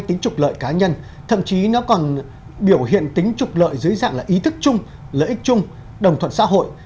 tính trục lợi cá nhân thậm chí nó còn biểu hiện tính trục lợi dưới dạng là ý thức chung lợi ích chung đồng thuận xã hội